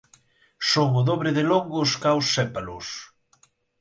Son o dobre de longos ca os sépalos.